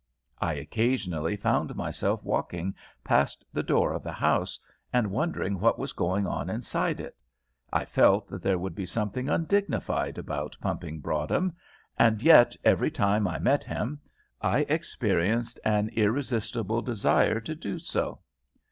I occasionally found myself walking past the door of the house, and wondering what was going on inside it. I felt that there would be something undignified about pumping Broadhem, and yet every time I met him I experienced an irresistible desire to do so.